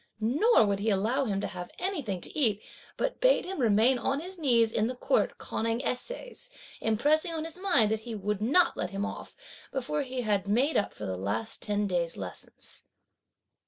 Nor would he allow him to have anything to eat, but bade him remain on his knees in the court conning essays; impressing on his mind that he would not let him off, before he had made up for the last ten days' lessons.